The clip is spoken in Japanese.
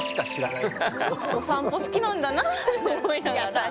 お散歩好きなんだなって思いながら。